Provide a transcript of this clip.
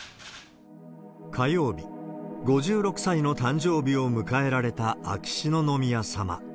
火曜日、５６歳の誕生日を迎えられた秋篠宮さま。